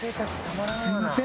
すいません。